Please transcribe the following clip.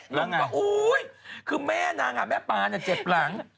แล้วไงคือแม่นางแม่ปลาน่ะเจ็บหลัง